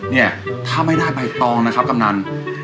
เนี่ยถ้าไม่ได้ใบตองนะครับกำนัน